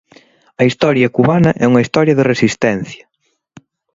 A historia cubana é unha historia de resistencia.